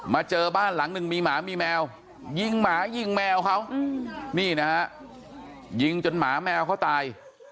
เจอบ้านหลังหนึ่งมีหมามีแมวยิงหมายิงแมวเขานี่นะฮะยิงจนหมาแมวเขาตาย